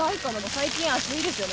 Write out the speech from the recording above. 最近暑いですよね。